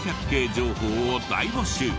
情報を大募集。